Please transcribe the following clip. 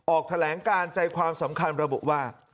ออกแถลงการใจความสำคัญระบุว่า